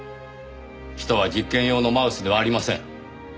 人は実験用のマウスではありません。